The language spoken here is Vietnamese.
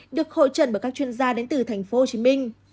được hội trận bởi các chuyên gia đến từ tp hcm